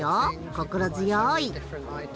心強い！